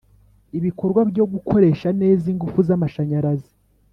ibikorwa byo gukoresha neza ingufu z’amashanyarazi